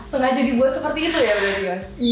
sengaja dibuat seperti itu ya bu ya